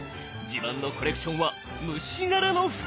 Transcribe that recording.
自慢のコレクションは虫柄の服！